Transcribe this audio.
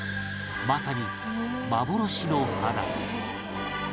まさに幻の花